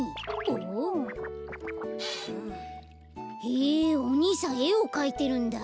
へえおにいさんえをかいてるんだ。